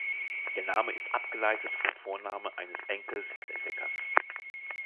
Der Name ist abgeleitet vom Vornamen eines Enkels des Entdeckers.